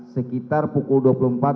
sekitar pukul dua puluh empat